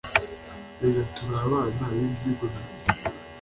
Erega turi abana bibyigomeke